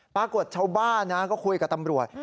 ปรากฏชาวบ้านนะก็คุยกับตำรวจ